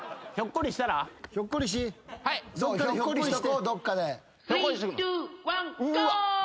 ひょっこりして。